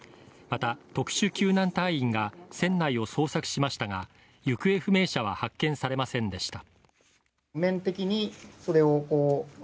また特殊救難隊員が船内を捜索しましたが、行方不明者は発見されませんでした。